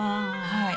はい。